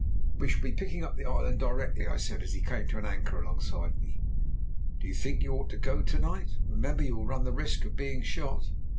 "We shall be picking up the island directly," I said as he came to an anchor alongside me. "Do you think you ought to go to night? Remember you will run the risk of being shot!"